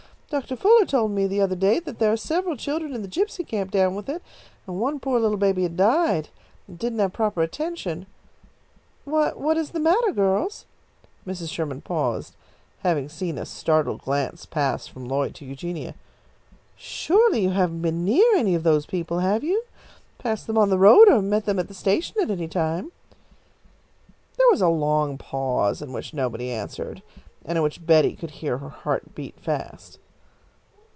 Doctor Fuller told me the other day that there are several children in the gypsy camp down with it, and one poor little baby had died. It didn't have proper attention. Why, what is the matter, girls?" Mrs. Sherman paused, having seen a startled glance pass from Lloyd to Eugenia. "Surely you haven't been near any of those people, have you? Passed them on the road, or met them at the station at any time?" There was a long pause in which nobody answered, and in which Betty could hear her heart beat fast.